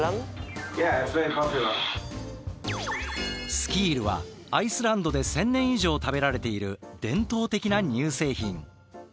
スキールはアイスランドで１，０００年以上食べられている伝統的な乳製品。